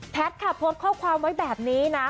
แพ็ตค่ะโพรตข้อความไว้แบบนี้นะ